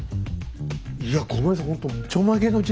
いやごめんなさい。